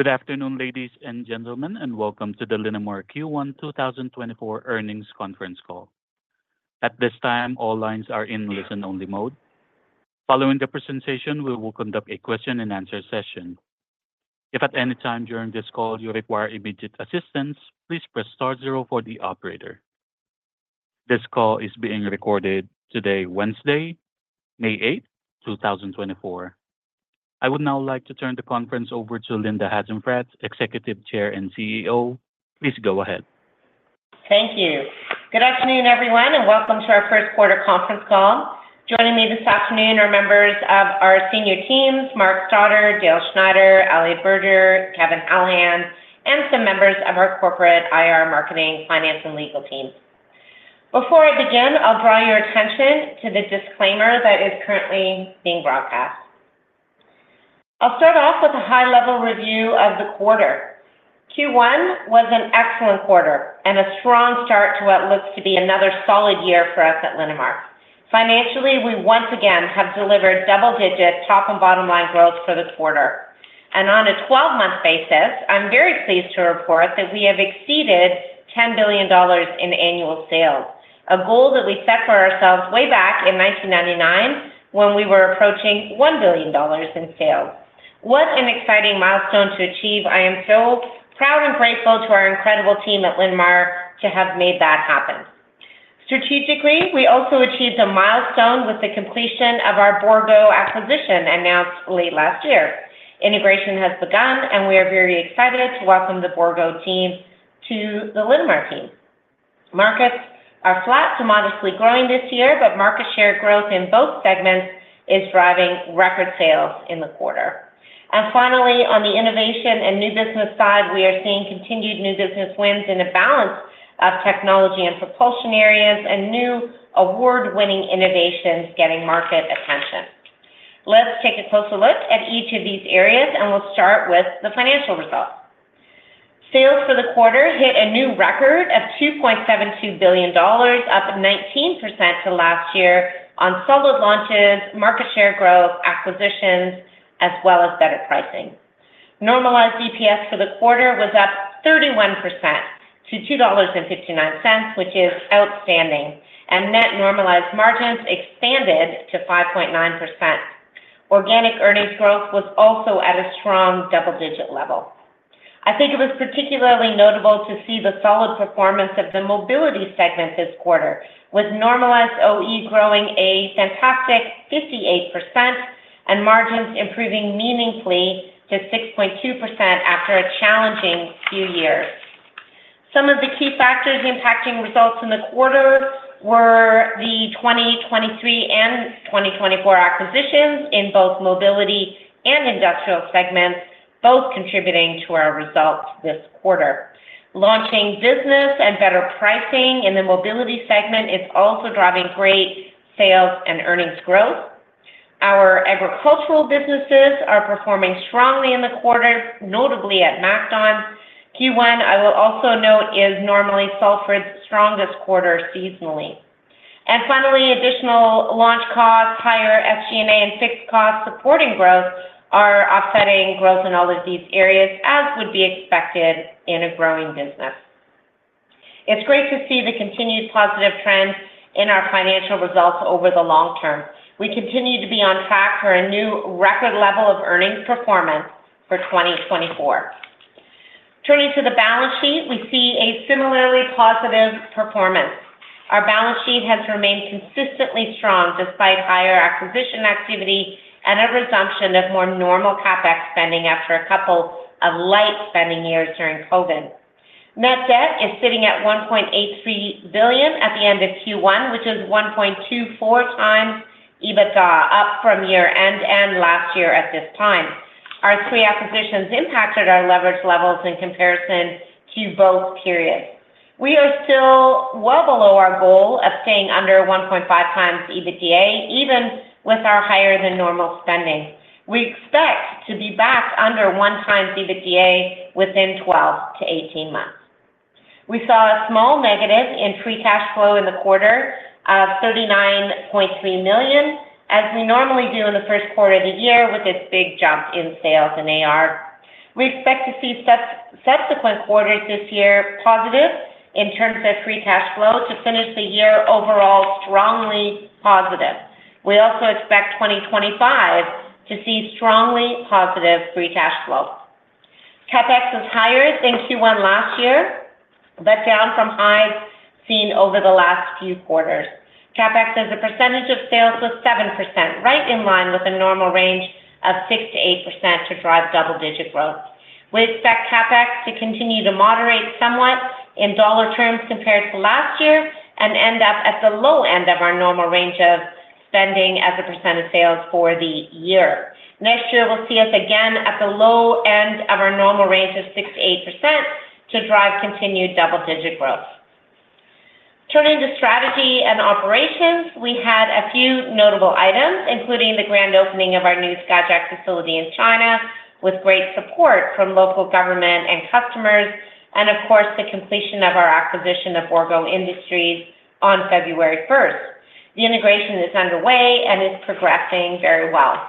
Good afternoon, ladies and gentlemen, and welcome to the Linamar Q1 2024 Earnings Conference Call. At this time, all lines are in listen-only mode. Following the presentation, we will conduct a question-and-answer session. If at any time during this call you require immediate assistance, please press star zero for the operator. This call is being recorded today, Wednesday, May eighth, 2024. I would now like to turn the conference over to Linda Hasenfratz, Executive Chair and CEO. Please go ahead. Thank you. Good afternoon, everyone, and welcome to our first quarter conference call. Joining me this afternoon are members of our senior teams, Mark Stoddart, Dale Schneider, Aly Biggar, Kevin Allan, and some members of our corporate IR marketing, finance, and legal team. Before I begin, I'll draw your attention to the disclaimer that is currently being broadcast. I'll start off with a high-level review of the quarter. Q1 was an excellent quarter and a strong start to what looks to be another solid year for us at Linamar. Financially, we once again have delivered double-digit top and bottom line growth for this quarter. On a twelve-month basis, I'm very pleased to report that we have exceeded 10 billion dollars in annual sales, a goal that we set for ourselves way back in 1999 when we were approaching 1 billion dollars in sales. What an exciting milestone to achieve! I am so proud and grateful to our incredible team at Linamar to have made that happen. Strategically, we also achieved a milestone with the completion of our Bourgault acquisition, announced late last year. Integration has begun, and we are very excited to welcome the Bourgault team to the Linamar team. Markets are flat to modestly growing this year, but market share growth in both segments is driving record sales in the quarter. And finally, on the innovation and new business side, we are seeing continued new business wins in the balance of technology and propulsion areas and new award-winning innovations getting market attention. Let's take a closer look at each of these areas, and we'll start with the financial results. Sales for the quarter hit a new record of 2.72 billion dollars, up 19% to last year on solid launches, market share growth, acquisitions, as well as better pricing. Normalized EPS for the quarter was up 31% to 2.59 dollars, which is outstanding, and net normalized margins expanded to 5.9%. Organic earnings growth was also at a strong double-digit level. I think it was particularly notable to see the solid performance of the mobility segment this quarter, with normalized OE growing a fantastic 58% and margins improving meaningfully to 6.2% after a challenging few years. Some of the key factors impacting results in the quarter were the 2023 and 2024 acquisitions in both mobility and industrial segments, both contributing to our results this quarter. Launching business and better pricing in the mobility segment is also driving great sales and earnings growth. Our agricultural businesses are performing strongly in the quarter, notably at MacDon. Q1, I will also note, is normally Salford's strongest quarter seasonally. Finally, additional launch costs, higher SG&A and fixed costs supporting growth are offsetting growth in all of these areas, as would be expected in a growing business. It's great to see the continued positive trends in our financial results over the long term. We continue to be on track for a new record level of earnings performance for 2024. Turning to the balance sheet, we see a similarly positive performance. Our balance sheet has remained consistently strong despite higher acquisition activity and a resumption of more normal CapEx spending after a couple of light spending years during COVID. Net debt is sitting at $1.83 billion at the end of Q1, which is 1.24 times EBITDA, up from year-end and last year at this time. Our three acquisitions impacted our leverage levels in comparison to both periods. We are still well below our goal of staying under 1.5 times EBITDA, even with our higher-than-normal spending. We expect to be back under 1x EBITDA within 12-18 months. We saw a small negative in free cash flow in the quarter of -$39.3 million, as we normally do in the first quarter of the year with this big jump in sales and AR. We expect to see subsequent quarters this year positive in terms of free cash flow to finish the year overall strongly positive. We also expect 2025 to see strongly positive free cash flow. CapEx was higher in Q1 last year, but down from highs seen over the last few quarters. CapEx as a percentage of sales was 7%, right in line with a normal range of 6%-8% to drive double-digit growth. We expect CapEx to continue to moderate somewhat in dollar terms compared to last year and end up at the low end of our normal range of spending as a percent of sales for the year. Next year will see us again at the low end of our normal range of 6%-8% to drive continued double-digit growth. Turning to strategy and operations, we had a few notable items, including the grand opening of our new Skyjack facility in China, with great support from local government and customers, and of course, the completion of our acquisition of Bourgault Industries on February first.... The integration is underway and is progressing very well.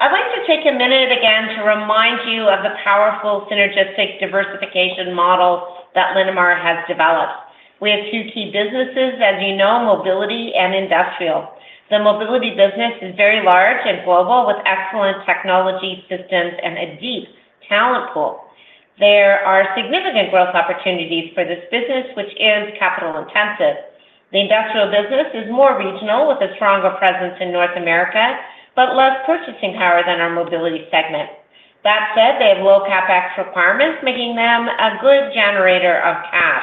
I'd like to take a minute again to remind you of the powerful synergistic diversification model that Linamar has developed. We have two key businesses, as you know, mobility and industrial. The mobility business is very large and global, with excellent technology systems and a deep talent pool. There are significant growth opportunities for this business, which is capital-intensive. The industrial business is more regional, with a stronger presence in North America, but less purchasing power than our mobility segment. That said, they have low CapEx requirements, making them a good generator of cash.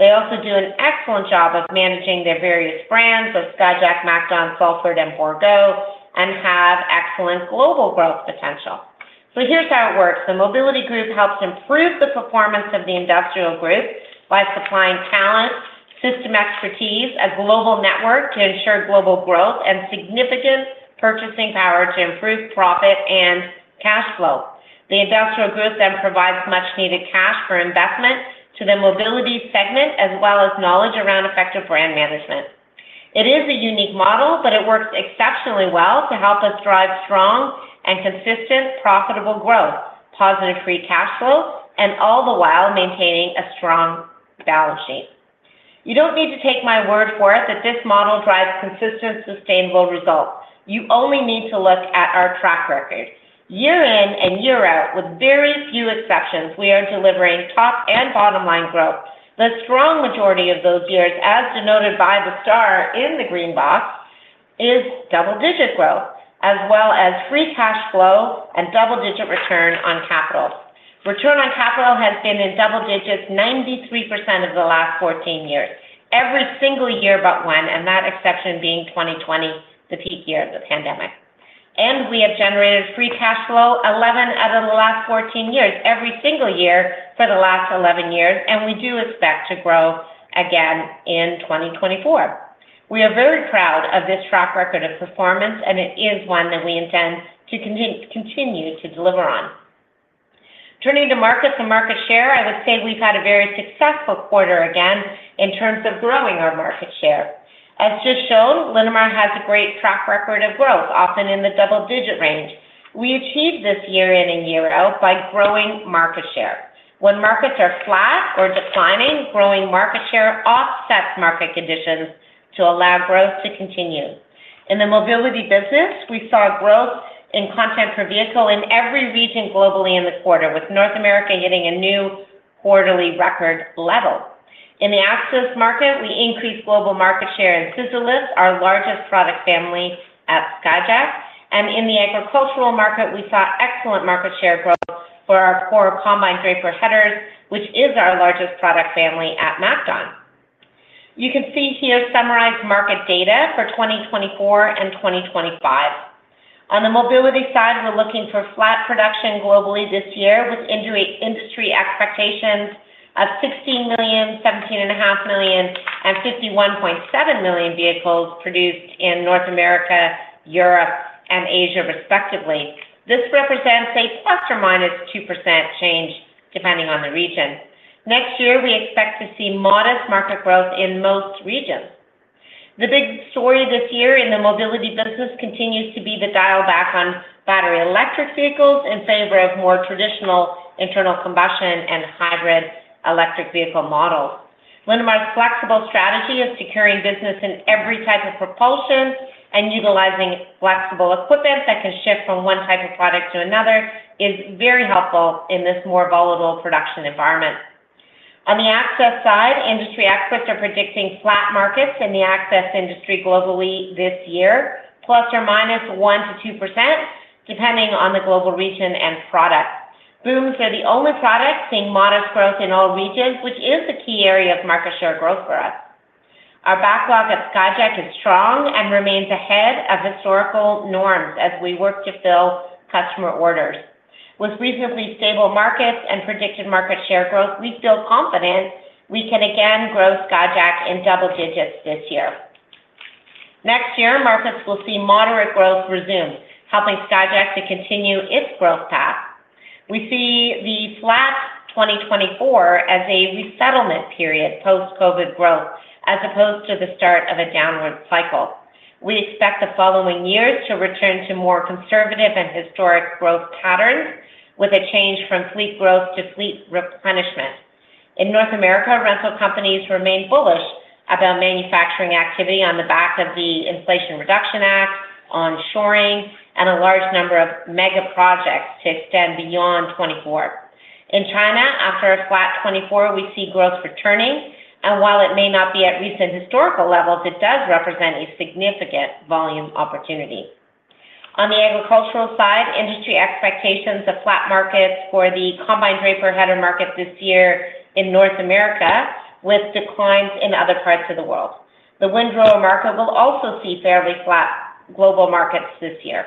They also do an excellent job of managing their various brands, like Skyjack, MacDon, Salford, and Bourgault, and have excellent global growth potential. So here's how it works: the mobility group helps improve the performance of the industrial group by supplying talent, system expertise, a global network to ensure global growth, and significant purchasing power to improve profit and cash flow. The industrial group then provides much-needed cash for investment to the mobility segment, as well as knowledge around effective brand management. It is a unique model, but it works exceptionally well to help us drive strong and consistent profitable growth, positive free cash flow, and all the while maintaining a strong balance sheet. You don't need to take my word for it that this model drives consistent, sustainable results. You only need to look at our track record. Year in and year out, with very few exceptions, we are delivering top and bottom-line growth. The strong majority of those years, as denoted by the star in the green box, is double-digit growth, as well as free cash flow and double-digit return on capital. Return on capital has been in double digits 93% of the last 14 years, every single year but one, and that exception being 2020, the peak year of the pandemic. We have generated free cash flow 11 out of the last 14 years, every single year for the last 11 years, and we do expect to grow again in 2024. We are very proud of this track record of performance, and it is one that we intend to continue, continue to deliver on. Turning to markets and market share, I would say we've had a very successful quarter again in terms of growing our market share. As just shown, Linamar has a great track record of growth, often in the double-digit range. We achieve this year in and year out by growing market share. When markets are flat or declining, growing market share offsets market conditions to allow growth to continue. In the mobility business, we saw growth in content per vehicle in every region globally in this quarter, with North America hitting a new quarterly record level. In the access market, we increased global market share in scissor lifts, our largest product family at Skyjack, and in the agricultural market, we saw excellent market share growth for our core combine draper headers, which is our largest product family at MacDon. You can see here summarized market data for 2024 and 2025. On the mobility side, we're looking for flat production globally this year, with industry expectations of 16 million, 17.5 million, and 51.7 million vehicles produced in North America, Europe, and Asia, respectively. This represents a ±2% change, depending on the region. Next year, we expect to see modest market growth in most regions. The big story this year in the mobility business continues to be the dial back on battery electric vehicles in favor of more traditional internal combustion and hybrid electric vehicle models. Linamar's flexible strategy of securing business in every type of propulsion and utilizing flexible equipment that can shift from one type of product to another is very helpful in this more volatile production environment. On the access side, industry experts are predicting flat markets in the access industry globally this year, ±1%-2%, depending on the global region and product. Booms are the only product seeing modest growth in all regions, which is a key area of market share growth for us. Our backlog at Skyjack is strong and remains ahead of historical norms as we work to fill customer orders. With reasonably stable markets and predicted market share growth, we feel confident we can again grow Skyjack in double digits this year. Next year, markets will see moderate growth resume, helping Skyjack to continue its growth path. We see the flat 2024 as a resettlement period, post-COVID growth, as opposed to the start of a downward cycle. We expect the following years to return to more conservative and historic growth patterns, with a change from fleet growth to fleet replenishment. In North America, rental companies remain bullish about manufacturing activity on the back of the Inflation Reduction Act, onshoring, and a large number of mega projects to extend beyond 2024. In China, after a flat 2024, we see growth returning, and while it may not be at recent historical levels, it does represent a significant volume opportunity. On the agricultural side, industry expectations of flat markets for the Combine Draper Header market this year in North America, with declines in other parts of the world. The windrow market will also see fairly flat global markets this year.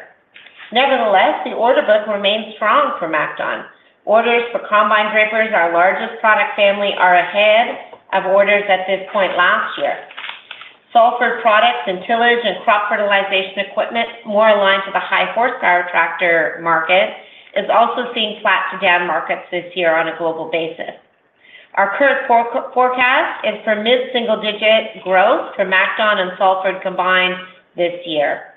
Nevertheless, the order book remains strong for MacDon. Orders for Combine Drapers, our largest product family, are ahead of orders at this point last year. Salford products and tillage and crop fertilization equipment, more aligned to the high horsepower tractor market, is also seeing flat to down markets this year on a global basis. Our current forecast is for mid-single-digit growth for MacDon and Salford combined this year.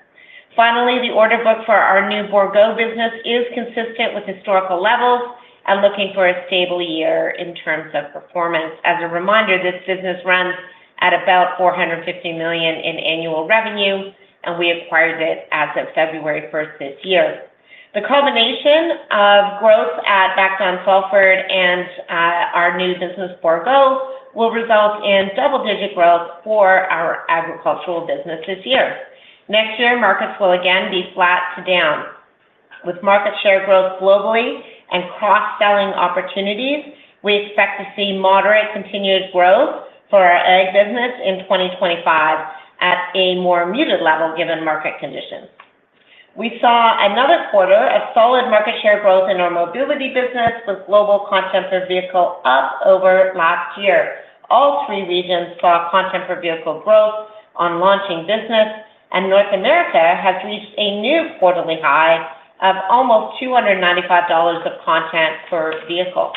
Finally, the order book for our new Bourgault business is consistent with historical levels and looking for a stable year in terms of performance. As a reminder, this business runs at about 450 million in annual revenue, and we acquired it as of February first this year. The culmination of growth at MacDon, Salford, and our new business, Bourgault, will result in double-digit growth for our agricultural business this year. Next year, markets will again be flat to down. With market share growth globally and cross-selling opportunities, we expect to see moderate continued growth for our ag business in 2025 at a more muted level, given market conditions. We saw another quarter of solid market share growth in our mobility business, with global content per vehicle up over last year. All three regions saw content per vehicle growth on launching business, and North America has reached a new quarterly high of almost 295 dollars of content per vehicle.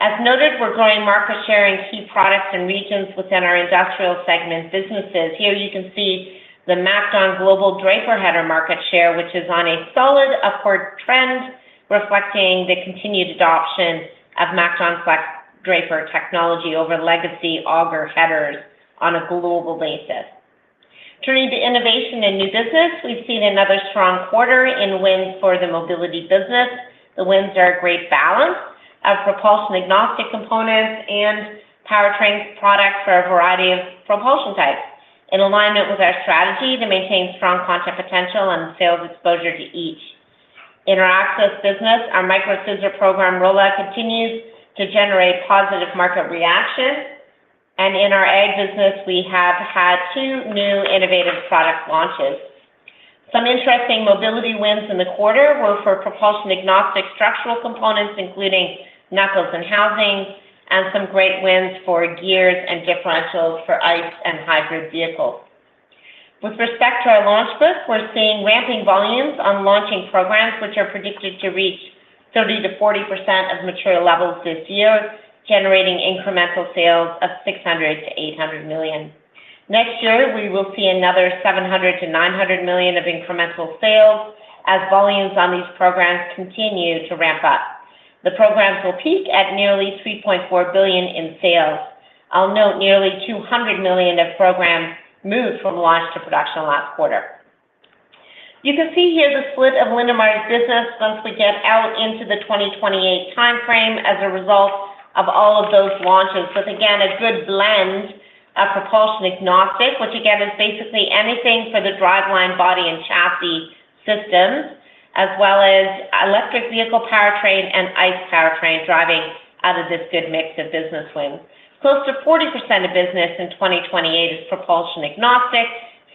As noted, we're growing market share in key products and regions within our industrial segment businesses. Here you can see the MacDon global draper header market share, which is on a solid upward trend, reflecting the continued adoption of MacDon Flex Draper technology over legacy auger headers on a global basis. Turning to innovation and new business, we've seen another strong quarter in wins for the mobility business. The wins are a great balance of propulsion-agnostic components and powertrains products for a variety of propulsion types, in alignment with our strategy to maintain strong content potential and sales exposure to each. In our access business, our Micro Scissor program rollout continues to generate positive market reaction. In our ag business, we have had two new innovative product launches. Some interesting mobility wins in the quarter were for propulsion-agnostic structural components, including knuckles and housing, and some great wins for gears and differentials for ICE and hybrid vehicles. With respect to our launch book, we're seeing ramping volumes on launching programs, which are predicted to reach 30%-40% of material levels this year, generating incremental sales of 600 million-800 million. Next year, we will see another 700 million-900 million of incremental sales as volumes on these programs continue to ramp up. The programs will peak at nearly 3.4 billion in sales. I'll note nearly 200 million of programs moved from launch to production last quarter. You can see here the split of Linamar's business once we get out into the 2028 time frame as a result of all of those launches, with again, a good blend of propulsion-agnostic, which again, is basically anything for the driveline, body, and chassis systems, as well as electric vehicle powertrain and ICE powertrain driving out of this good mix of business wins. Close to 40% of business in 2028 is propulsion-agnostic,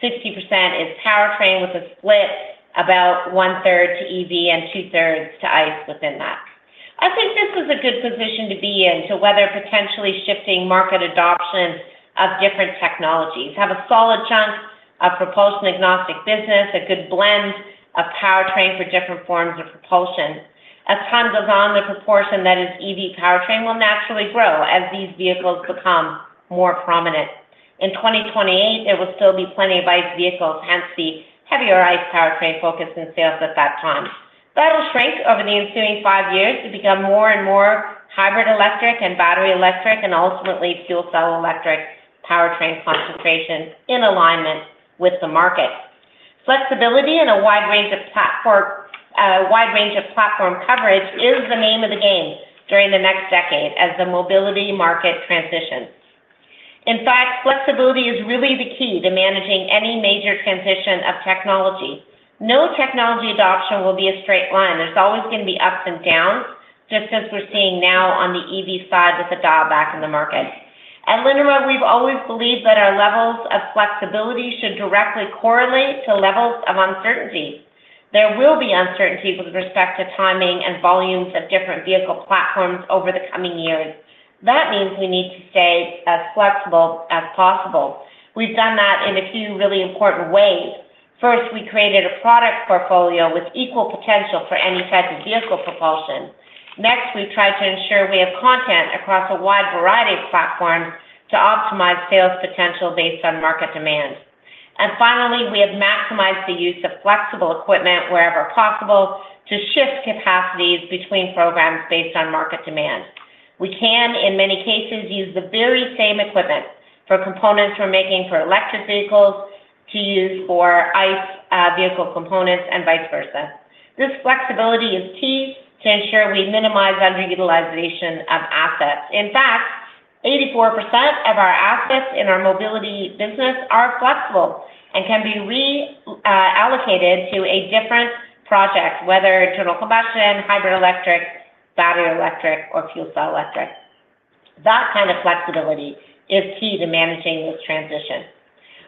60% is powertrain, with a split about one-third to EV and two-thirds to ICE within that. I think this is a good position to be in to weather potentially shifting market adoption of different technologies, have a solid chunk of propulsion-agnostic business, a good blend of powertrain for different forms of propulsion. As time goes on, the proportion that is EV powertrain will naturally grow as these vehicles become more prominent. In 2028, there will still be plenty of ICE vehicles, hence the heavier ICE powertrain focus in sales at that time. That'll shrink over the ensuing five years to become more and more hybrid electric and battery electric, and ultimately, fuel cell electric powertrain concentration in alignment with the market. Flexibility and a wide range of platform, wide range of platform coverage is the name of the game during the next decade as the mobility market transitions. In fact, flexibility is really the key to managing any major transition of technology. No technology adoption will be a straight line. There's always going to be ups and downs, just as we're seeing now on the EV side with the dial back in the market. At Linamar, we've always believed that our levels of flexibility should directly correlate to levels of uncertainty. There will be uncertainty with respect to timing and volumes of different vehicle platforms over the coming years. That means we need to stay as flexible as possible. We've done that in a few really important ways. First, we created a product portfolio with equal potential for any type of vehicle propulsion. Next, we tried to ensure we have content across a wide variety of platforms to optimize sales potential based on market demand. And finally, we have maximized the use of flexible equipment wherever possible to shift capacities between programs based on market demand. We can, in many cases, use the very same equipment for components we're making for electric vehicles to use for ICE vehicle components and vice versa. This flexibility is key to ensure we minimize underutilization of assets. In fact, 84% of our assets in our mobility business are flexible and can be reallocated to a different project, whether internal combustion, hybrid electric, battery electric, or fuel cell electric. That kind of flexibility is key to managing this transition.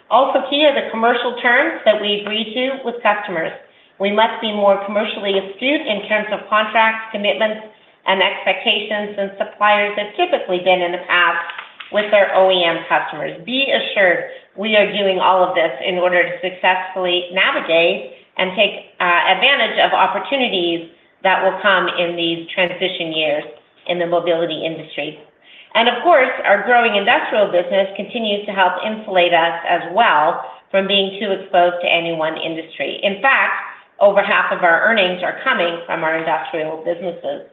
Also key are the commercial terms that we agree to with customers. We must be more commercially astute in terms of contracts, commitments, and expectations than suppliers have typically been in the past.... with our OEM customers. Be assured, we are doing all of this in order to successfully navigate and take advantage of opportunities that will come in these transition years in the mobility industry. Of course, our growing industrial business continues to help insulate us as well from being too exposed to any one industry. In fact, over half of our earnings are coming from our industrial businesses.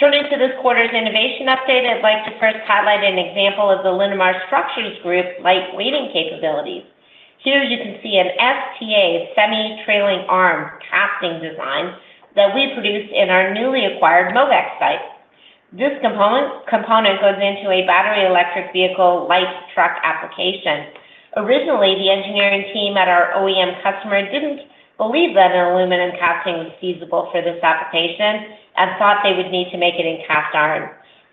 Turning to this quarter's innovation update, I'd like to first highlight an example of the Linamar Structures Group's light weighting capabilities. Here you can see an STA, semi-trailing arm casting design that we produced in our newly acquired Mobex site. This component goes into a battery electric vehicle, light truck application. Originally, the engineering team at our OEM customer didn't believe that an aluminum casting was feasible for this application and thought they would need to make it in cast iron.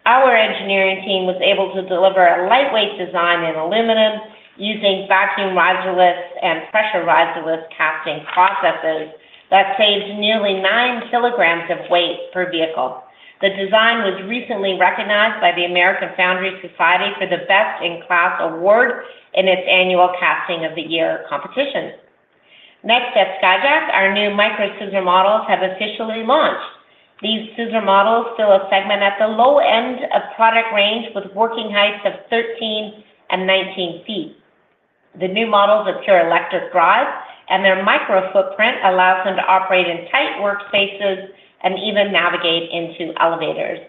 Our engineering team was able to deliver a lightweight design in aluminum using vacuum-assisted and high-pressure die casting processes that saved nearly 9 kilograms of weight per vehicle. The design was recently recognized by the American Foundry Society for the Best in Class Award in its annual Casting of the Year competition. Next, at Skyjack, our new Micro Scissor models have officially launched. These scissor models fill a segment at the low end of product range with working heights of 13 and 19 feet. The new models are pure electric drive, and their micro footprint allows them to operate in tight workspaces and even navigate into elevators.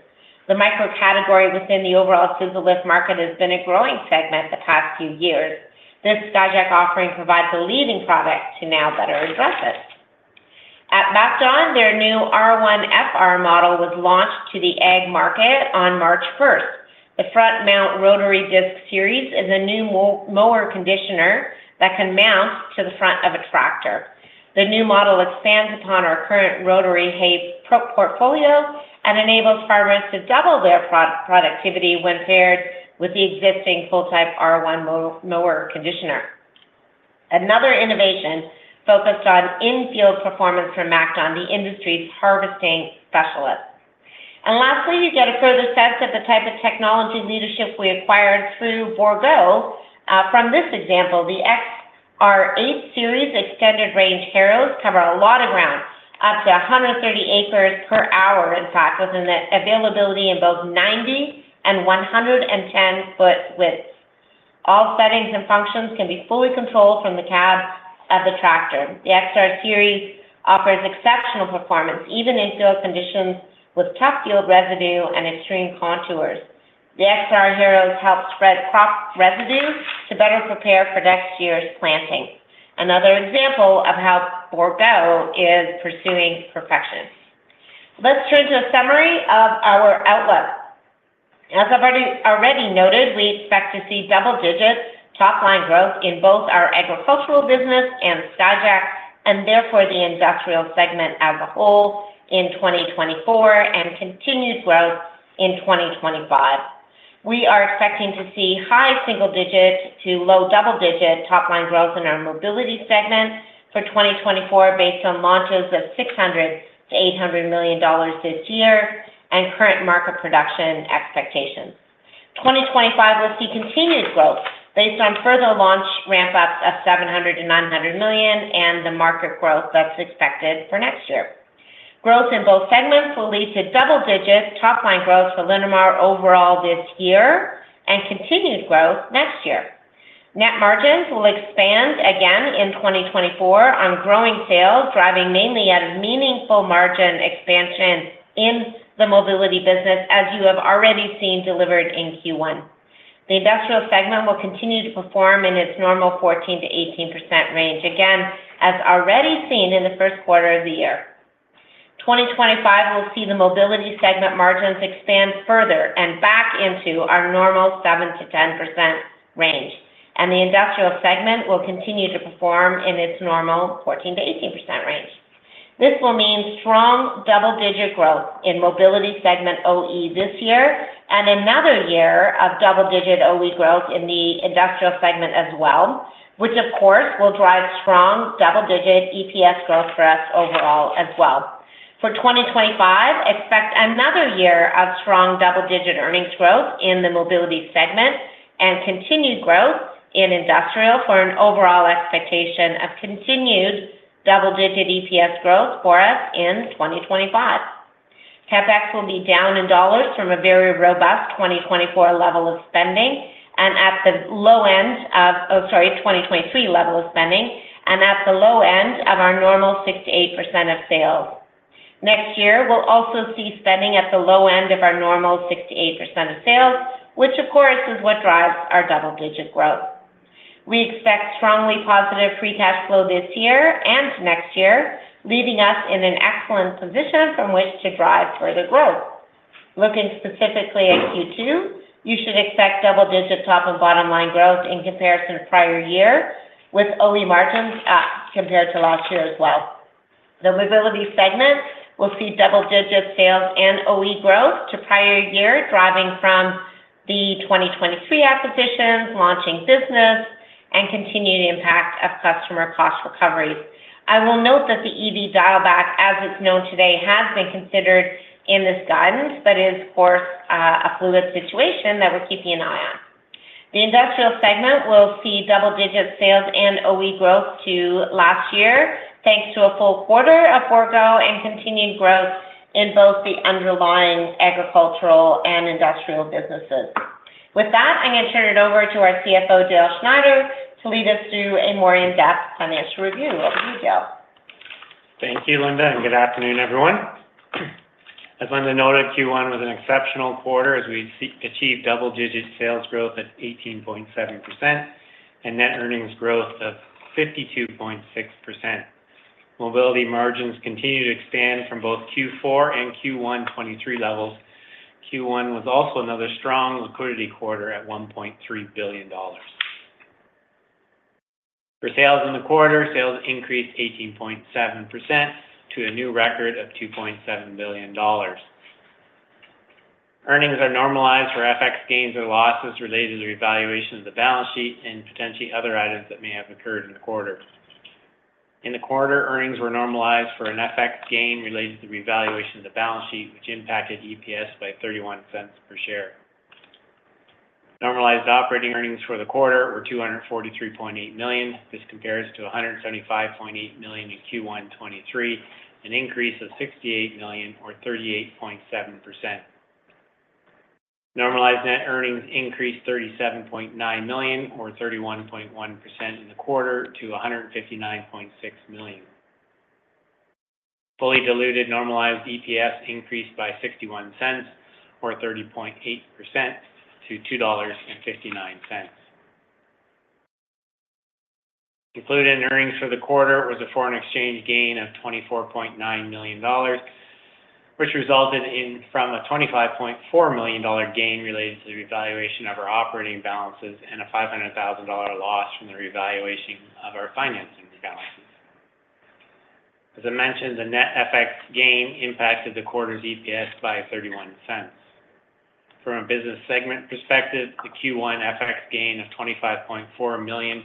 The micro category within the overall scissor lift market has been a growing segment the past few years. This Skyjack offering provides a leading product to now better address it. At MacDon, their new R1FR model was launched to the ag market on March first. The front mount rotary disc series is a new mower conditioner that can mount to the front of a tractor. The new model expands upon our current rotary hay portfolio and enables farmers to double their productivity when paired with the existing front-type R1FR mower conditioner. Another innovation focused on in-field performance from MacDon, the industry's harvesting specialist. And lastly, you get a further sense of the type of technology leadership we acquired through Bourgault. From this example, the XR8 Series extended range harrows cover a lot of ground, up to 130 acres per hour, in fact, with an availability in both 90- and 110-foot widths. All settings and functions can be fully controlled from the cab of the tractor. The XR Series offers exceptional performance, even in field conditions with tough field residue and extreme contours. The XR harrows help spread crop residue to better prepare for next year's planting. Another example of how Bourgault is pursuing perfection. Let's turn to a summary of our outlook. As I've already noted, we expect to see double-digit top-line growth in both our agricultural business and Skyjack, and therefore the industrial segment as a whole in 2024, and continued growth in 2025. We are expecting to see high single digit to low double-digit top-line growth in our mobility segment for 2024, based on launches of 600 million-800 million dollars this year and current market production expectations. 2025 will see continued growth based on further launch ramp-ups of 700 million-900 million and the market growth that's expected for next year. Growth in both segments will lead to double-digit top-line growth for Linamar overall this year and continued growth next year. Net margins will expand again in 2024 on growing sales, driving mainly out of meaningful margin expansion in the mobility business, as you have already seen delivered in Q1. The industrial segment will continue to perform in its normal 14%-18% range, again, as already seen in the first quarter of the year. 2025 will see the mobility segment margins expand further and back into our normal 7%-10% range, and the industrial segment will continue to perform in its normal 14%-18% range. This will mean strong double-digit growth in mobility segment OE this year, and another year of double-digit OE growth in the industrial segment as well, which of course, will drive strong double-digit EPS growth for us overall as well. For 2025, expect another year of strong double-digit earnings growth in the mobility segment and continued growth in industrial for an overall expectation of continued double-digit EPS growth for us in 2025. CapEx will be down in dollars from a very robust 2024 level of spending and at the low end of... Oh, sorry, 2023 level of spending and at the low end of our normal 6%-8% of sales. Next year, we'll also see spending at the low end of our normal 6%-8% of sales, which of course, is what drives our double-digit growth. We expect strongly positive free cash flow this year and next year, leaving us in an excellent position from which to drive further growth. Looking specifically at Q2, you should expect double-digit top and bottom line growth in comparison to prior year, with OE margins compared to last year as well. The mobility segment will see double-digit sales and OE growth to prior year, driving from the 2023 acquisitions, launching business and continuing the impact of customer cost recovery. I will note that the EV dial-back, as it's known today, has been considered in this guidance, but is, of course, a fluid situation that we're keeping an eye on. The industrial segment will see double-digit sales and OE growth to last year, thanks to a full quarter of Bourgault and continued growth in both the underlying agricultural and industrial businesses. With that, I'm going to turn it over to our CFO, Dale Schneider, to lead us through a more in-depth financial review. Over to you, Dale. Thank you, Linda, and good afternoon, everyone. As Linda noted, Q1 was an exceptional quarter as we achieved double-digit sales growth of 18.7% and net earnings growth of 52.6%. Mobility margins continued to expand from both Q4 and Q1 2023 levels. Q1 was also another strong liquidity quarter at 1.3 billion dollars. For sales in the quarter, sales increased 18.7% to a new record of 2.7 billion dollars. Earnings are normalized for FX gains or losses related to the revaluation of the balance sheet and potentially other items that may have occurred in the quarter. In the quarter, earnings were normalized for an FX gain related to the revaluation of the balance sheet, which impacted EPS by 0.31 per share. Normalized operating earnings for the quarter were 243.8 million. This compares to $175.8 million in Q1 2023, an increase of $68 million or 38.7%. Normalized net earnings increased $37.9 million or 31.1% in the quarter to $159.6 million. Fully diluted, normalized EPS increased by $0.61 or 30.8% to $2.59. Included in earnings for the quarter was a foreign exchange gain of $24.9 million, which resulted from a $25.4 million gain related to the revaluation of our operating balances and a $500,000 loss from the revaluation of our financing balances. As I mentioned, the net FX gain impacted the quarter's EPS by $0.31. From a business segment perspective, the Q1 FX gain of 25.4 million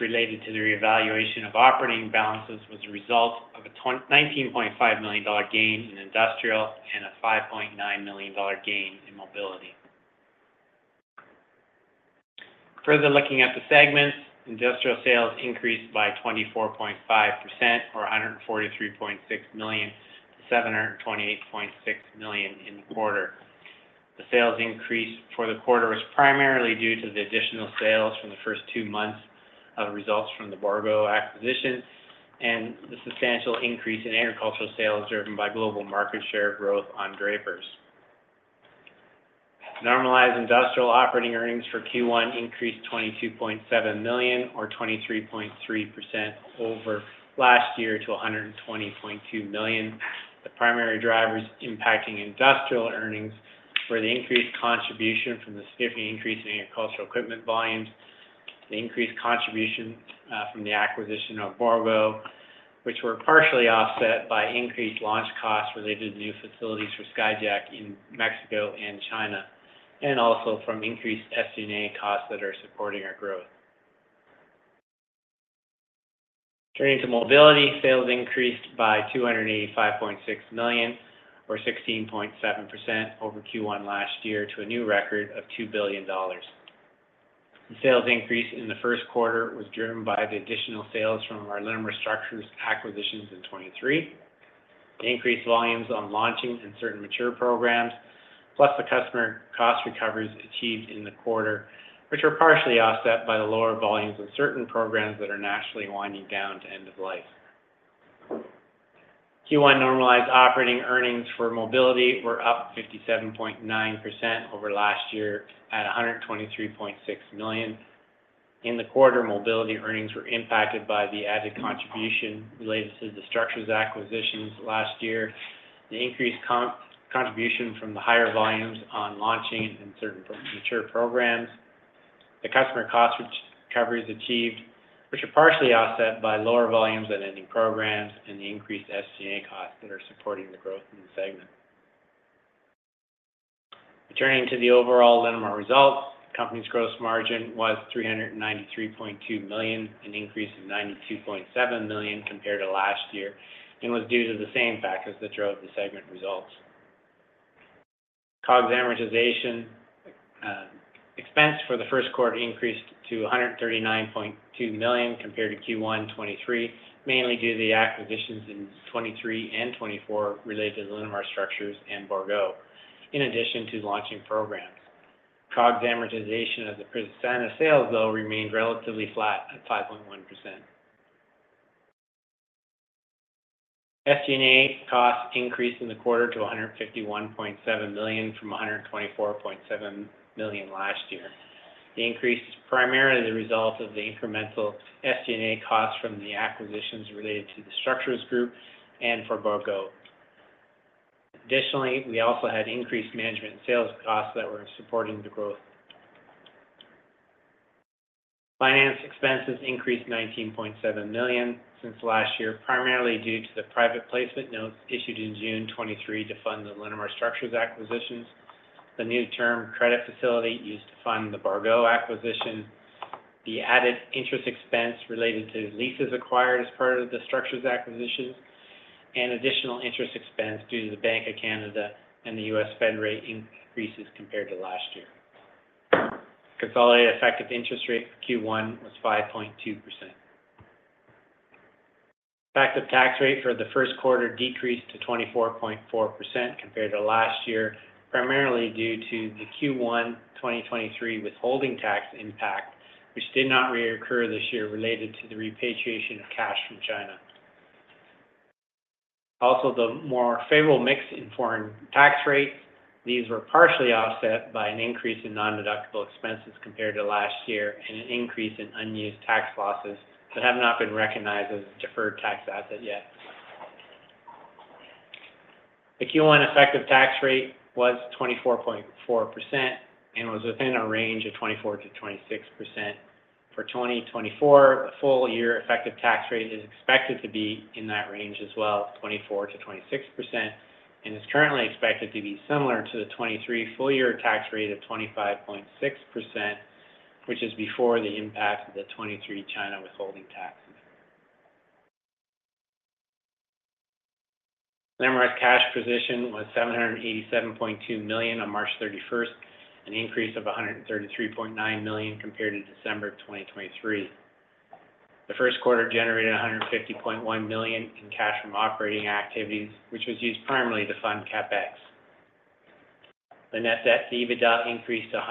related to the revaluation of operating balances was a result of a 19.5 million dollar gain in industrial and a 5.9 million dollar gain in mobility. Further looking at the segments, industrial sales increased by 24.5% or 143.6 million to 728.6 million in the quarter. The sales increase for the quarter was primarily due to the additional sales from the first two months of results from the Bourgault acquisition and the substantial increase in agricultural sales, driven by global market share growth on Drapers. Normalized industrial operating earnings for Q1 increased 22.7 million or 23.3% over last year to 120.2 million. The primary drivers impacting industrial earnings were the increased contribution from the significant increase in agricultural equipment volumes, the increased contribution from the acquisition of Bourgault, which were partially offset by increased launch costs related to new facilities for Skyjack in Mexico and China, and also from increased SG&A costs that are supporting our growth. Turning to mobility, sales increased by 285.6 million or 16.7% over Q1 last year, to a new record of 2 billion dollars. The sales increase in the first quarter was driven by the additional sales from our Linamar Structures acquisitions in 2023, the increased volumes on launching and certain mature programs, plus the customer cost recoveries achieved in the quarter, which were partially offset by the lower volumes of certain programs that are naturally winding down to end of life. Q1 normalized operating earnings for mobility were up 57.9% over last year at 123.6 million. In the quarter, mobility earnings were impacted by the added contribution related to the structures acquisitions last year, the increased contribution from the higher volumes on launching and certain mature programs, the customer cost recovery achieved, which are partially offset by lower volumes at ending programs and the increased SG&A costs that are supporting the growth in the segment. Returning to the overall Linamar results, the company's gross margin was 393.2 million, an increase of 92.7 million compared to last year, and was due to the same factors that drove the segment results. COGS amortization expense for the first quarter increased to 139.2 million compared to Q1 2023, mainly due to the acquisitions in 2023 and 2024 related to Linamar Structures and Borgo, in addition to launching programs. COGS amortization as a percent of sales, though, remained relatively flat at 5.1%. SG&A costs increased in the quarter to 151.7 million from 124.7 million last year. The increase is primarily the result of the incremental SG&A costs from the acquisitions related to the structures group and for Borgo. Additionally, we also had increased management sales costs that were supporting the growth. Finance expenses increased 19.7 million since last year, primarily due to the private placement notes issued in June 2023 to fund the Linamar Structures acquisitions,... The new term credit facility used to fund the Bourgault acquisition, the added interest expense related to leases acquired as part of the structures acquisition, and additional interest expense due to the Bank of Canada and the US Fed rate increases compared to last year. Consolidated effective interest rate for Q1 was 5.2%. Effective tax rate for the first quarter decreased to 24.4% compared to last year, primarily due to the Q1 2023 withholding tax impact, which did not reoccur this year, related to the repatriation of cash from China. Also, the more favorable mix in foreign tax rates, these were partially offset by an increase in non-deductible expenses compared to last year, and an increase in unused tax losses that have not been recognized as a deferred tax asset yet. The Q1 effective tax rate was 24.4% and was within a range of 24%-26%. For 2024, the full year effective tax rate is expected to be in that range as well, 24%-26%, and is currently expected to be similar to the 2023 full year tax rate of 25.6%, which is before the impact of the 2023 China withholding taxes. Linamar's cash position was 787.2 million on March thirty-first, an increase of 133.9 million compared to December 2023. The first quarter generated 150.1 million in cash from operating activities, which was used primarily to fund CapEx. The net debt to EBITDA increased to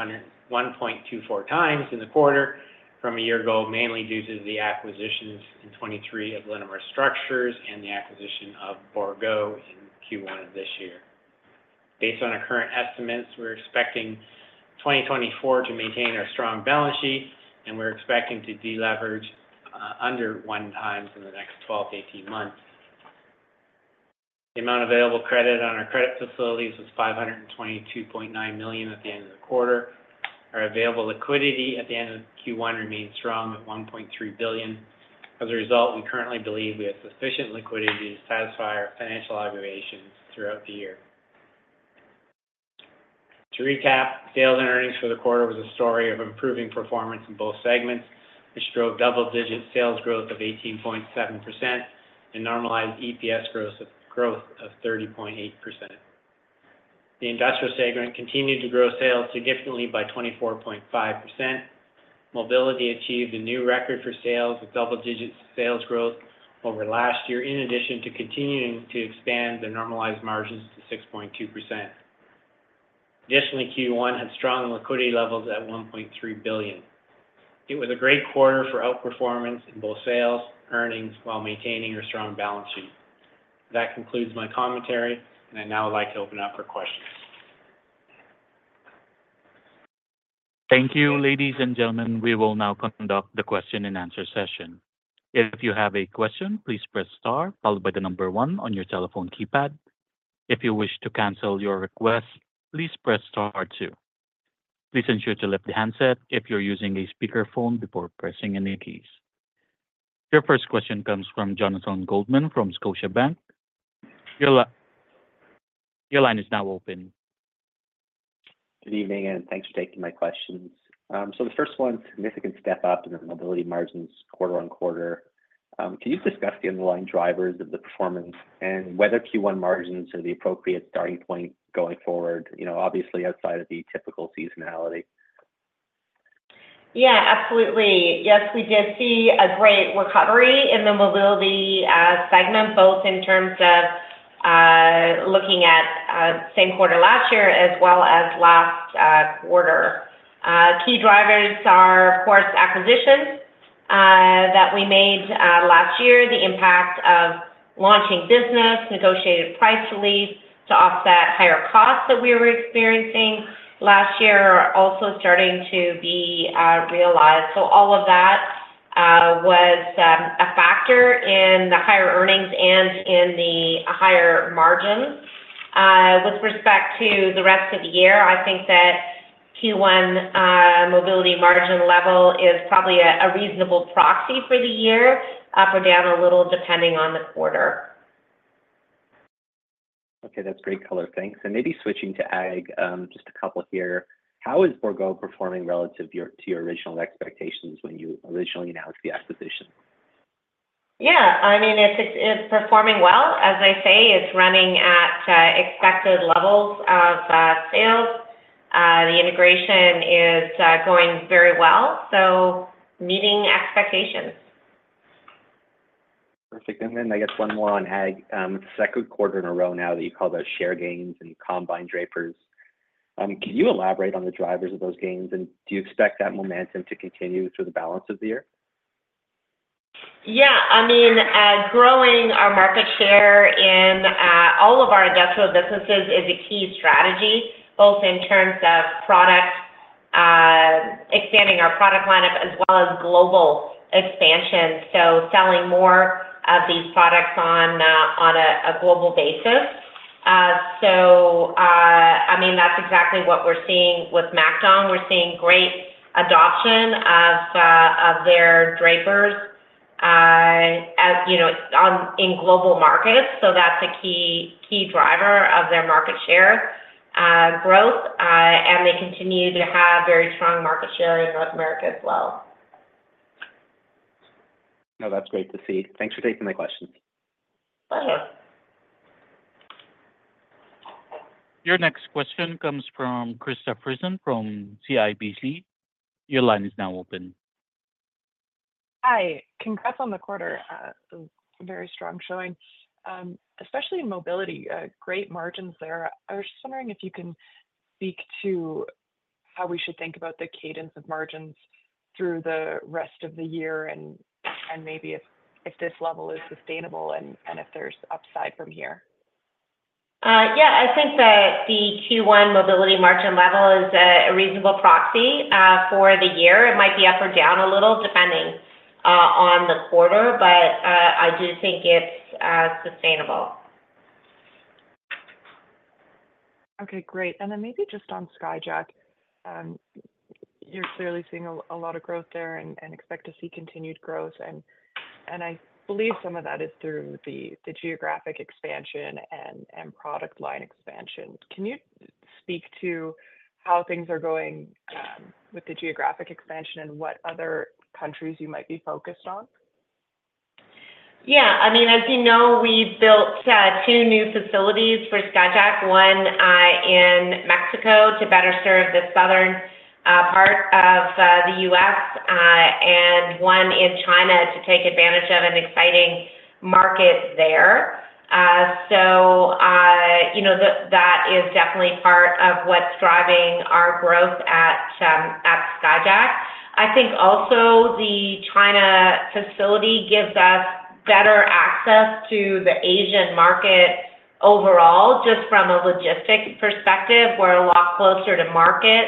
1.24x in the quarter from a year ago, mainly due to the acquisitions in 2023 of Linamar Structures and the acquisition of Bourgault in Q1 of this year. Based on our current estimates, we're expecting 2024 to maintain our strong balance sheet, and we're expecting to deleverage under 1x in the next 12-18 months. The amount of available credit on our credit facilities was 522.9 million at the end of the quarter. Our available liquidity at the end of Q1 remains strong at 1.3 billion. As a result, we currently believe we have sufficient liquidity to satisfy our financial obligations throughout the year. To recap, sales and earnings for the quarter was a story of improving performance in both segments, which drove double-digit sales growth of 18.7% and normalized EPS growth of 30.8%. The industrial segment continued to grow sales significantly by 24.5%. Mobility achieved a new record for sales with double-digit sales growth over last year, in addition to continuing to expand the normalized margins to 6.2%. Additionally, Q1 had strong liquidity levels at 1.3 billion. It was a great quarter for outperformance in both sales, earnings, while maintaining our strong balance sheet. That concludes my commentary, and I'd now like to open up for questions. Thank you, ladies and gentlemen. We will now conduct the question and answer session. If you have a question, please press star, followed by the number one on your telephone keypad. If you wish to cancel your request, please press star two. Please ensure to lift the handset if you're using a speakerphone before pressing any keys. Your first question comes from Jonathan Goldman from Scotiabank. Your line is now open. Good evening, and thanks for taking my questions. So the first one, significant step up in the mobility margins quarter-over-quarter. Can you discuss the underlying drivers of the performance and whether Q1 margins are the appropriate starting point going forward, you know, obviously outside of the typical seasonality? Yeah, absolutely. Yes, we did see a great recovery in the Mobility segment, both in terms of looking at same quarter last year as well as last quarter. Key drivers are, of course, acquisitions that we made last year. The impact of launching business, negotiated price release to offset higher costs that we were experiencing last year are also starting to be realized. So all of that was a factor in the higher earnings and in the higher margins. With respect to the rest of the year, I think that Q1 Mobility margin level is probably a reasonable proxy for the year, up or down a little, depending on the quarter. Okay, that's great color. Thanks. Maybe switching to AG, just a couple here. How is Bourgault performing relative to your, to your original expectations when you originally announced the acquisition? Yeah, I mean, it's performing well. As I say, it's running at expected levels of sales. The integration is going very well, so meeting expectations. Perfect. And then I guess one more on AG. It's the second quarter in a row now that you call those share gains and combine drapers. Can you elaborate on the drivers of those gains, and do you expect that momentum to continue through the balance of the year? Yeah, I mean, growing our market share in all of our industrial businesses is a key strategy, both in terms of product, expanding our product lineup, as well as global expansion, so selling more of these products on a global basis. So, I mean, that's exactly what we're seeing with MacDon. We're seeing great adoption of their drapers. You know, in global markets, so that's a key, key driver of their market share growth. And they continue to have very strong market share in North America as well. No, that's great to see. Thanks for taking my questions. Bye. Your next question comes from Krista Friesen from CIBC. Your line is now open. Hi, congrats on the quarter. A very strong showing, especially in mobility, great margins there. I was just wondering if you can speak to how we should think about the cadence of margins through the rest of the year, and maybe if this level is sustainable and if there's upside from here. Yeah, I think that the Q1 mobility margin level is a reasonable proxy. For the year, it might be up or down a little, depending on the quarter, but I do think it's sustainable. Okay, great. And then maybe just on Skyjack, you're clearly seeing a lot of growth there and expect to see continued growth, and I believe some of that is through the geographic expansion and product line expansion. Can you speak to how things are going with the geographic expansion and what other countries you might be focused on? Yeah. I mean, as you know, we've built two new facilities for Skyjack, one in Mexico to better serve the southern part of the U.S., and one in China to take advantage of an exciting market there. So you know, that is definitely part of what's driving our growth at Skyjack. I think also the China facility gives us better access to the Asian market overall. Just from a logistics perspective, we're a lot closer to market,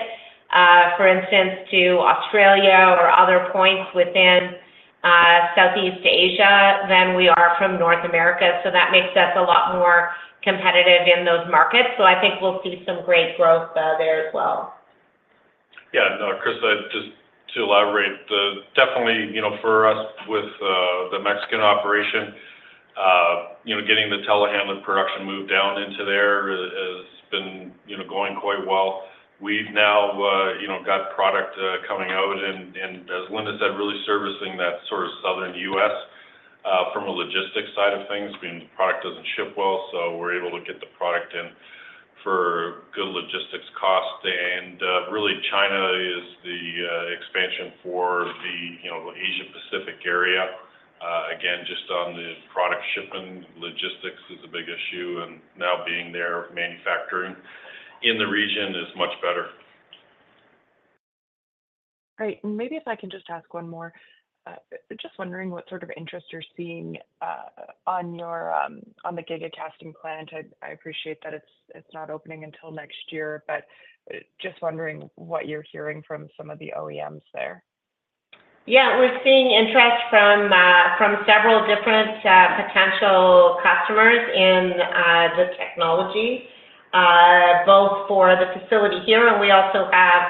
for instance, to Australia or other points within Southeast Asia than we are from North America. So that makes us a lot more competitive in those markets. So I think we'll see some great growth there as well. Yeah. No, Krista, just to elaborate, definitely, you know, for us, with the Mexican operation, you know, getting the telehandler production moved down into there has been, you know, going quite well. We've now, you know, got product coming out, and as Linda said, really servicing that sort of southern US from a logistics side of things, being the product doesn't ship well, so we're able to get the product in for good logistics costs. And really, China is the expansion for the, you know, Asia Pacific area. Again, just on the product shipping, logistics is a big issue, and now being there, manufacturing in the region is much better. Great. Maybe if I can just ask one more. Just wondering what sort of interest you're seeing on your giga casting plant. I appreciate that it's not opening until next year, but just wondering what you're hearing from some of the OEMs there? Yeah, we're seeing interest from several different potential customers in the technology, both for the facility here, and we also have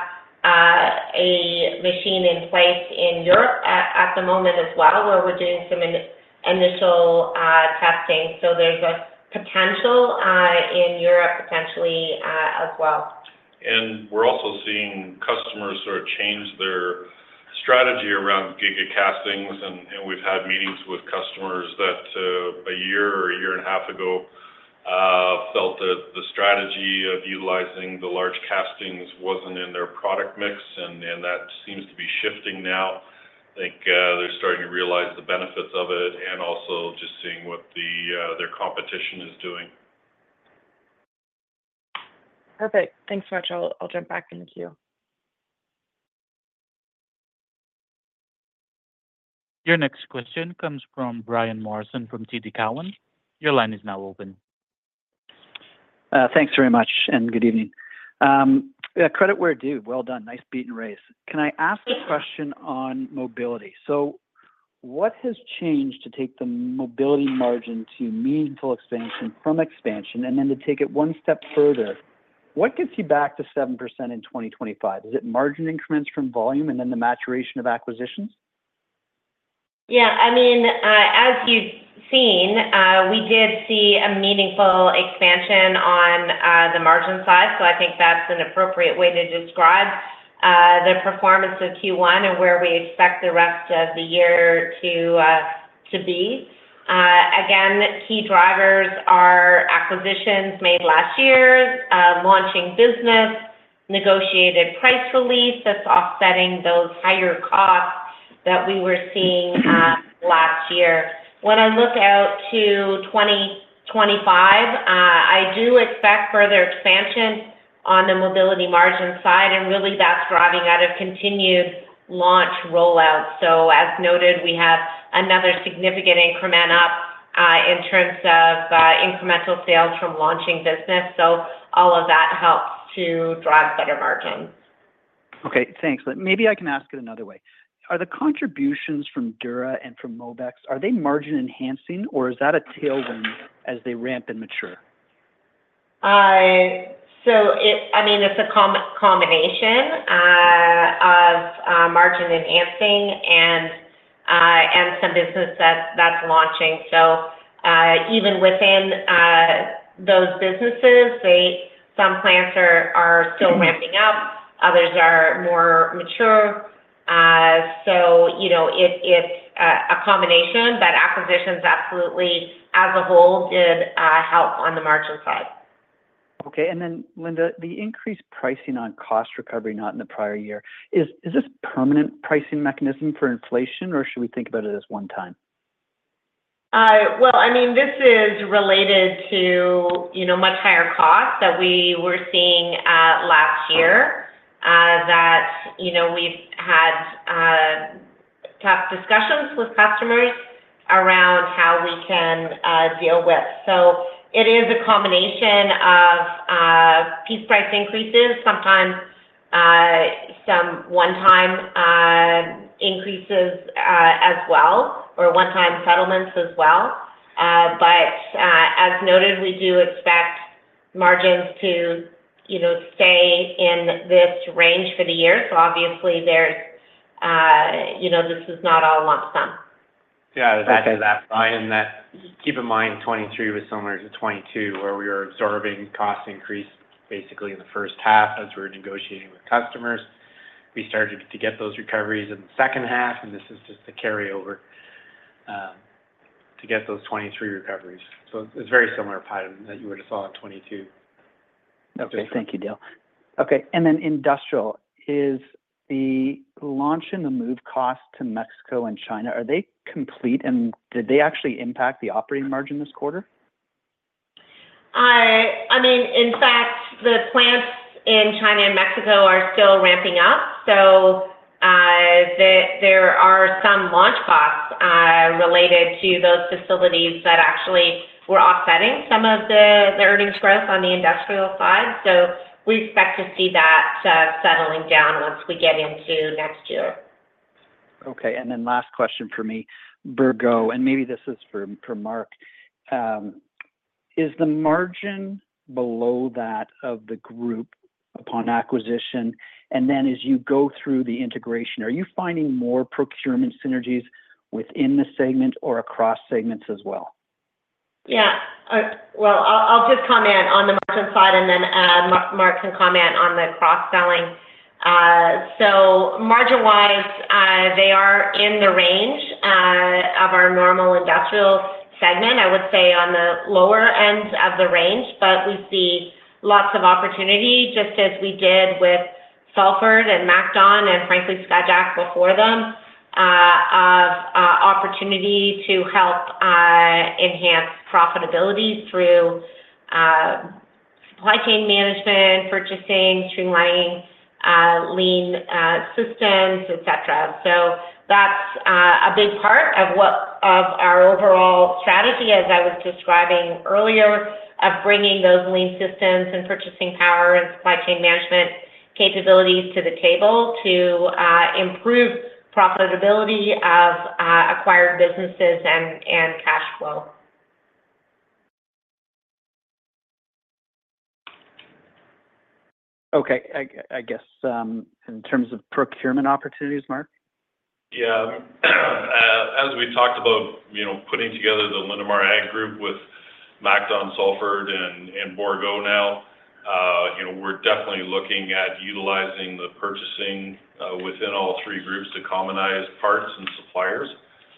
a machine in place in Europe at the moment as well, where we're doing some initial testing. So there's a potential in Europe, potentially, as well. And we're also seeing customers sort of change their strategy around giga castings, and we've had meetings with customers that a year or a year and a half ago felt that the strategy of utilizing the large castings wasn't in their product mix, and that seems to be shifting now. I think they're starting to realize the benefits of it and also just seeing what the their competition is doing. Perfect. Thanks so much. I'll, I'll jump back in the queue. Your next question comes from Brian Morrison from TD Cowen. Your line is now open. Thanks very much, and good evening. Yeah, credit where due. Well done. Nice beat and raise. Can I ask a question on mobility? So what has changed to take the mobility margin to meaningful expansion from expansion, and then to take it one step further, what gets you back to 7% in 2025? Is it margin increments from volume and then the maturation of acquisitions? Yeah, I mean, as you've seen, we did see a meaningful expansion on the margin side, so I think that's an appropriate way to describe the performance of Q1 and where we expect the rest of the year to be. Again, key drivers are acquisitions made last year, launching business, negotiated price release, that's offsetting those higher costs that we were seeing last year. When I look out to 2025, I do expect further expansion on the mobility margin side, and really that's driving out of continued launch rollout. So as noted, we have another significant increment up in terms of incremental sales from launching business. So all of that helps to drive better margins. Okay, thanks. But maybe I can ask it another way. Are the contributions from Dura and from Mobex, are they margin-enhancing, or is that a tailwind as they ramp and mature?... So it, I mean, it's a combination of margin enhancing and some business that's launching. So even within those businesses, some plants are still ramping up, others are more mature. So, you know, it, it's a combination, but acquisitions absolutely, as a whole, did help on the margin side. Okay, and then, Linda, the increased pricing on cost recovery, not in the prior year, is this permanent pricing mechanism for inflation, or should we think about it as one time? Well, I mean, this is related to, you know, much higher costs that we were seeing last year, that, you know, we've had tough discussions with customers around how we can deal with. So it is a combination of piece price increases, sometimes some one-time increases as well, or one-time settlements as well. But, as noted, we do expect margins to, you know, stay in this range for the year. So obviously, there's, you know, this is not all a lump sum. Yeah, to add to that, and that, keep in mind, 2023 was similar to 2022, where we were absorbing cost increase basically in the first half as we were negotiating with customers. We started to get those recoveries in the second half, and this is just a carryover to get those 2023 recoveries. So it's very similar pattern that you would have saw in 2022. Okay, thank you, Dale. Okay, and then Industrial, is the launch and the move cost to Mexico and China, are they complete, and did they actually impact the operating margin this quarter? I mean, in fact, the plants in China and Mexico are still ramping up, so there are some launch costs related to those facilities that actually were offsetting some of the earnings growth on the industrial side. So we expect to see that settling down once we get into next year. Okay, and then last question for me. Bourgault, and maybe this is for Mark, is the margin below that of the group upon acquisition? And then as you go through the integration, are you finding more procurement synergies within the segment or across segments as well? Yeah. Well, I'll just comment on the margin side and then, Mark can comment on the cross-selling. So margin-wise, they are in the range of our normal industrial segment. I would say on the lower ends of the range, but we see lots of opportunity, just as we did with Salford and MacDon, and frankly, Skyjack before them, of opportunity to help enhance profitability through supply chain management, purchasing, streamlining, lean systems, et cetera. So that's a big part of what of our overall strategy, as I was describing earlier, of bringing those lean systems and purchasing power and supply chain management capabilities to the table to improve profitability of acquired businesses and cash flow. Okay, I guess, in terms of procurement opportunities, Mark? Yeah. As we talked about, you know, putting together the Linamar Ag Group with MacDon, Salford, and Bourgault now, you know, we're definitely looking at utilizing the purchasing within all three groups to commonize parts and suppliers.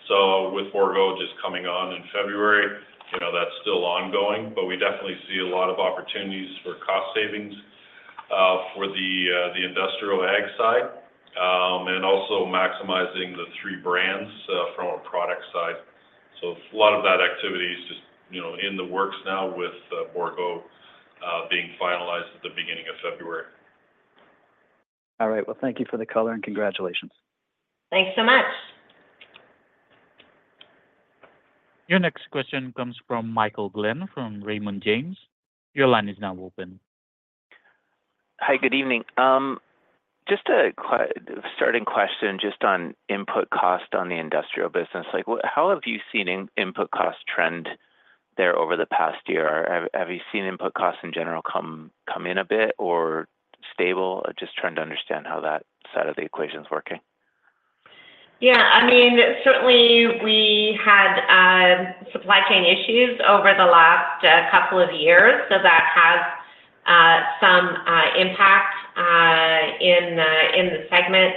So with Bourgault just coming on in February, you know, that's still ongoing, but we definitely see a lot of opportunities for cost savings for the industrial ag side, and also maximizing the three brands from a product side. So a lot of that activity is just, you know, in the works now with Bourgault being finalized at the beginning of February. All right. Well, thank you for the caller, and congratulations. Thanks so much. Your next question comes from Michael Glen, from Raymond James. Your line is now open. Hi, good evening. Just a starting question, just on input cost on the industrial business. Like, what... How have you seen input cost trend there over the past year? Or have you seen input costs in general come in a bit or stable? Just trying to understand how that side of the equation is working. Yeah, I mean, certainly, we had supply chain issues over the last couple of years, so that has some impact in the segment.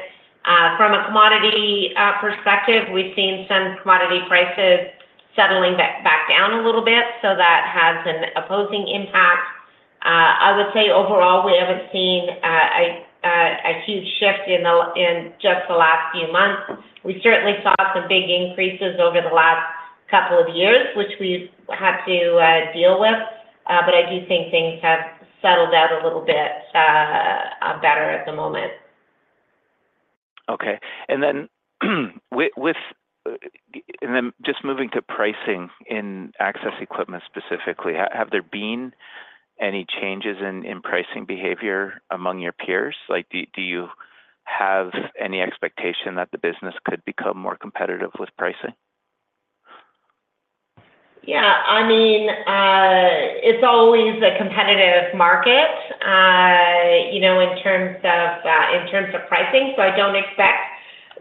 From a commodity perspective, we've seen some commodity prices settling back down a little bit, so that has an opposing impact. I would say overall, we haven't seen a huge shift in just the last few months. We certainly saw some big increases over the last couple of years, which we've had to deal with, but I do think things have settled out a little bit better at the moment. Okay. And then just moving to pricing in access equipment specifically, have there been any changes in pricing behavior among your peers? Like, do you have any expectation that the business could become more competitive with pricing?... Yeah, I mean, it's always a competitive market, you know, in terms of, in terms of pricing, so I don't expect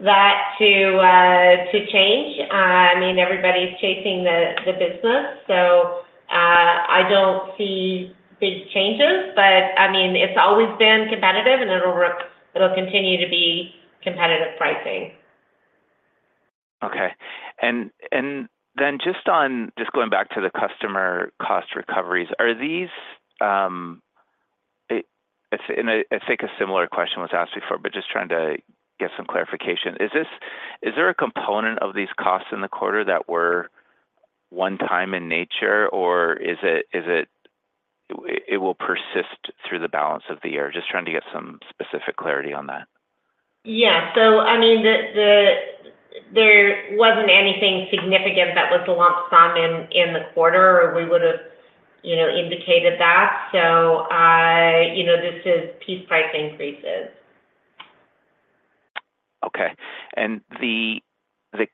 that to, to change. I mean, everybody's chasing the business, so, I don't see big changes, but I mean, it's always been competitive, and it'll continue to be competitive pricing. Okay. And then just on, just going back to the customer cost recoveries, are these, and I think a similar question was asked before, but just trying to get some clarification. Is there a component of these costs in the quarter that were one-time in nature, or is it, it will persist through the balance of the year? Just trying to get some specific clarity on that. Yeah. So I mean, there wasn't anything significant that was a lump sum in the quarter, or we would have, you know, indicated that. So I, you know, this is piece price increases. Okay. And the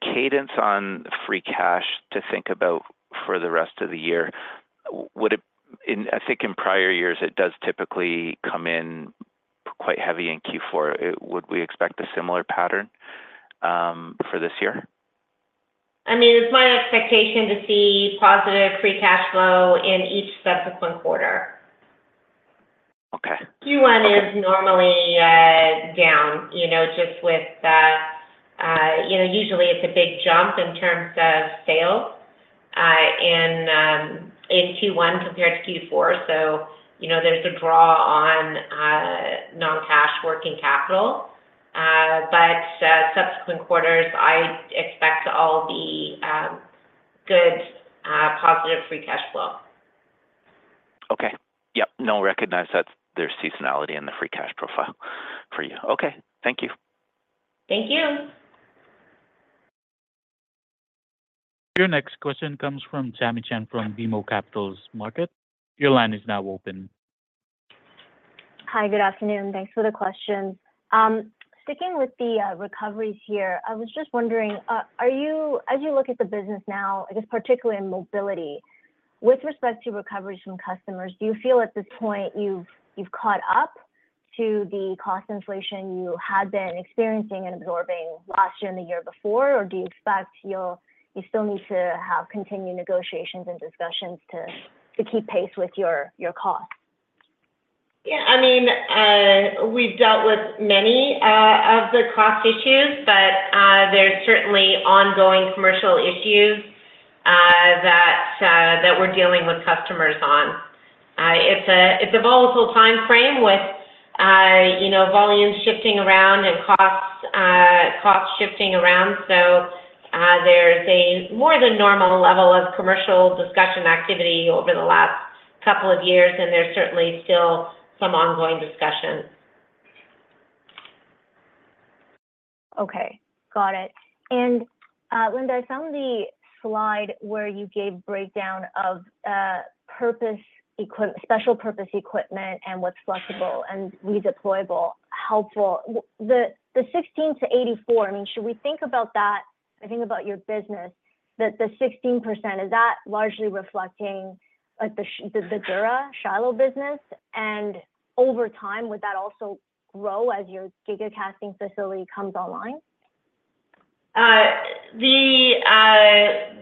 cadence on free cash to think about for the rest of the year, would it, in, I think, in prior years, it does typically come in quite heavy in Q4. Would we expect a similar pattern for this year? I mean, it's my expectation to see positive free cash flow in each subsequent quarter. Okay. Q1 is normally down, you know, just with the, you know, usually it's a big jump in terms of sales in Q1 compared to Q4. So, you know, there's a draw on non-cash working capital, but subsequent quarters, I expect all the good positive free cash flow. Okay. Yep. No, recognize that there's seasonality in the free cash profile for you. Okay, thank you. Thank you. Your next question comes from Tammy Chen from BMO Capital Markets. Your line is now open. Hi, good afternoon. Thanks for the question. Sticking with the recoveries here, I was just wondering, are you—as you look at the business now, I guess particularly in mobility, with respect to recoveries from customers, do you feel at this point you've caught up to the cost inflation you had been experiencing and absorbing last year and the year before? Or do you expect you'll still need to have continued negotiations and discussions to keep pace with your costs? Yeah, I mean, we've dealt with many of the cost issues, but there's certainly ongoing commercial issues that we're dealing with customers on. It's a volatile time frame with, you know, volumes shifting around and costs shifting around. So, there's a more than normal level of commercial discussion activity over the last couple of years, and there's certainly still some ongoing discussions. Okay, got it. And, Linda, I found the slide where you gave breakdown of special purpose equipment and what's flexible and redeployable helpful. The 16%-84%, I mean, should we think about that, I think about your business, that the 16%, is that largely reflecting, like, the Dura Shiloh business? And over time, would that also grow as your giga casting facility comes online?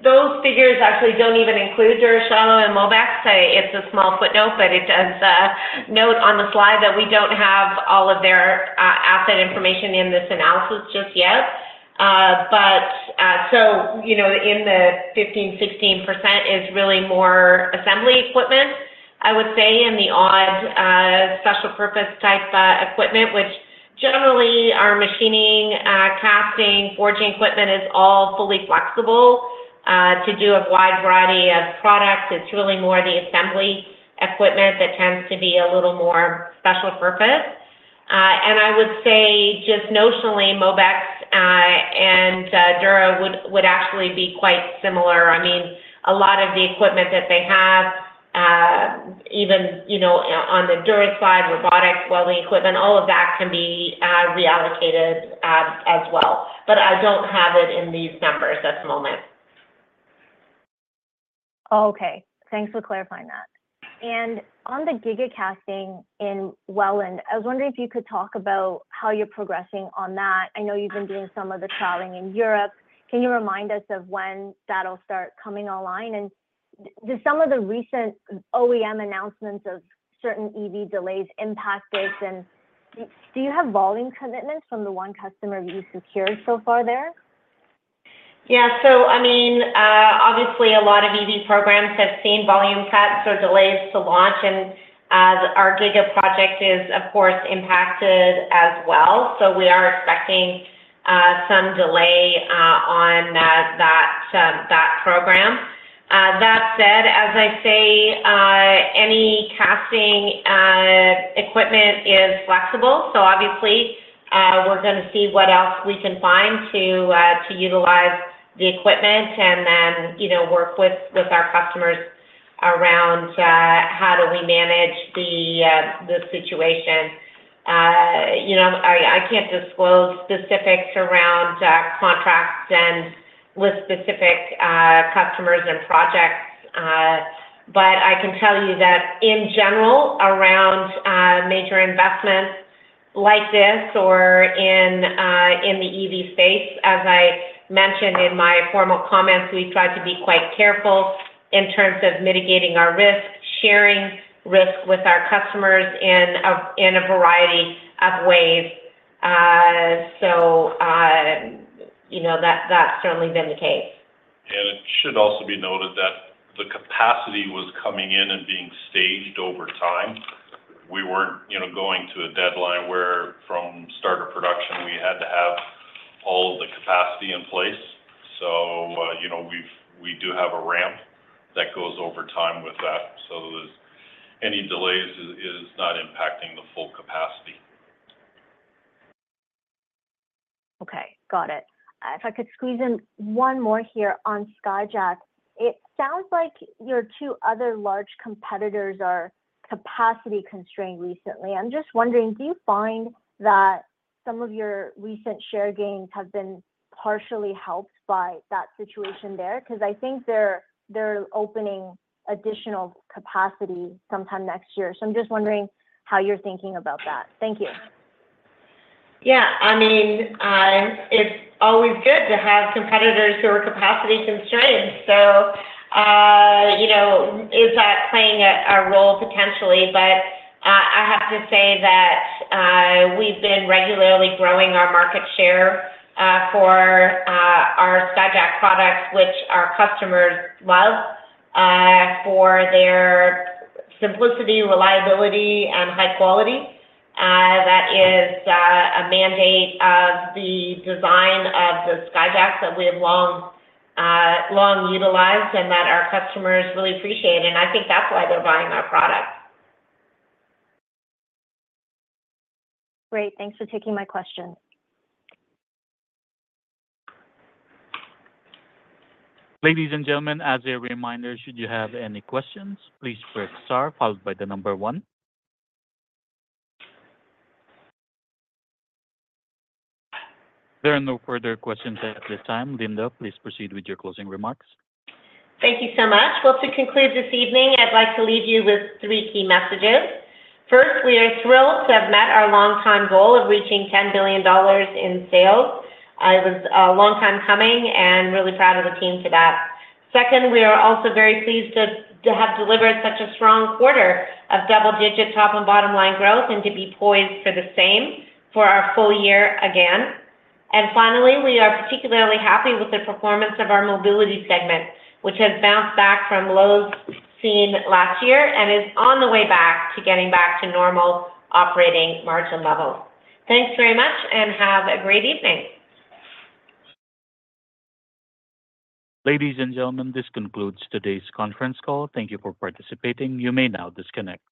Those figures actually don't even include Dura, Shiloh, and Mobex. So it's a small footnote, but it does note on the slide that we don't have all of their asset information in this analysis just yet. But so you know, in the 15%-16% is really more assembly equipment, I would say, in the odd special purpose type equipment, which generally our machining, casting, forging equipment is all fully flexible to do a wide variety of products. It's really more the assembly equipment that tends to be a little more special purpose. And I would say just notionally, Mobex and Dura would actually be quite similar. I mean, a lot of the equipment that they have, even, you know, on the Dura side, robotics, welding equipment, all of that can be reallocated, as well, but I don't have it in these numbers this moment. Okay, thanks for clarifying that. And on the giga casting in Welland, I was wondering if you could talk about how you're progressing on that. I know you've been doing some of the traveling in Europe. Can you remind us of when that'll start coming online? And did some of the recent OEM announcements of certain EV delays impact this, and do you have volume commitments from the one customer you've secured so far there? Yeah. So I mean, obviously a lot of EV programs have seen volume cuts or delays to launch, and our giga project is, of course, impacted as well, so we are expecting some delay on that, that program. That said, as I say, any casting equipment is flexible, so obviously, we're gonna see what else we can find to to utilize the equipment and then, you know, work with with our customers around how do we manage the the situation. You know, I can't disclose specifics around contracts and list specific customers and projects. But I can tell you that in general, around major investments like this or in the EV space, as I mentioned in my formal comments, we try to be quite careful in terms of mitigating our risk, sharing risk with our customers in a variety of ways. So, you know, that, that's certainly been the case. It should also be noted that the capacity was coming in and being staged over time. We weren't, you know, going to a deadline where from start of production, we had to have all the capacity in place. So, you know, we do have a ramp that goes over time with that, so any delays is not impacting the full capacity. Okay, got it. If I could squeeze in one more here on Skyjack. It sounds like your two other large competitors are capacity-constrained recently. I'm just wondering, do you find that some of your recent share gains have been partially helped by that situation there? Because I think they're opening additional capacity sometime next year. So I'm just wondering how you're thinking about that. Thank you. Yeah, I mean, it's always good to have competitors who are capacity-constrained. So, you know, is that playing a role? Potentially. But, I have to say that, we've been regularly growing our market share, for our Skyjack products, which our customers love, for their simplicity, reliability, and high quality. That is, a mandate of the design of the Skyjack that we have long, long utilized and that our customers really appreciate, and I think that's why they're buying our products. Great. Thanks for taking my question. Ladies and gentlemen, as a reminder, should you have any questions, please press star followed by the number one. There are no further questions at this time. Linda, please proceed with your closing remarks. Thank you so much. Well, to conclude this evening, I'd like to leave you with three key messages. First, we are thrilled to have met our long-time goal of reaching 10 billion dollars in sales. It was a long time coming, and really proud of the team for that. Second, we are also very pleased to have delivered such a strong quarter of double-digit top and bottom line growth and to be poised for the same for our full year again. And finally, we are particularly happy with the performance of our mobility segment, which has bounced back from lows seen last year and is on the way back to getting back to normal operating margin levels. Thanks very much, and have a great evening. Ladies and gentlemen, this concludes today's conference call. Thank you for participating. You may now disconnect.